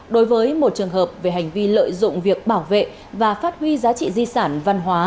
đối với một trường hợp về hành vi lợi dụng việc bảo vệ và phát huy giá trị di sản văn hóa